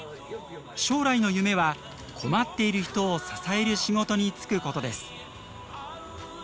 将来の夢は困っている人を支える仕事に就くことです。